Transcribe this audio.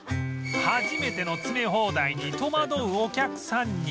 初めての詰め放題に戸惑うお客さんには